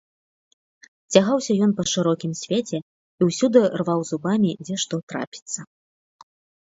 Цягаўся ён па шырокім свеце і ўсюды рваў зубамі, дзе што трапіцца.